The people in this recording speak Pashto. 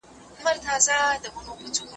زه به سبا پلان جوړوم وم؟